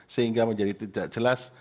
sehingga menjadi tidak jelas